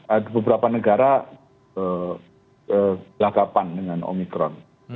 ada beberapa negara lagapan dengan omicron